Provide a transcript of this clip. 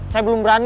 saya belum berani